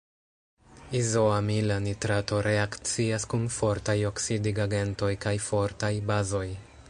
Izoamila nitrato reakcias kun fortaj oksidigagentoj kaj fortaj bazoj.